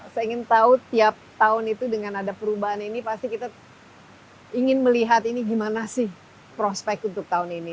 saya ingin tahu tiap tahun itu dengan ada perubahan ini pasti kita ingin melihat ini gimana sih prospek untuk tahun ini